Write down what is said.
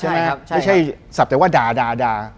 ไม่ใช่สับแต่ว่าด่า